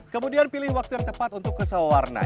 kemudian pilih waktu yang tepat untuk ke sawarna